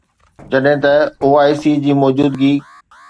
جڏهن ته او آءِ سي جي موجودگي